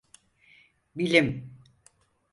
Bilim…